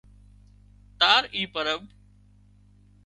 تار اي پرٻ